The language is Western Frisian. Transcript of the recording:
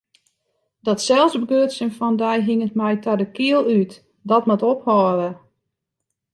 Dat selsbegrutsjen fan dy hinget my ta de kiel út, dat moat ophâlde!